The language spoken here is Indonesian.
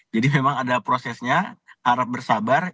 jadi memang ada prosesnya harap bersabar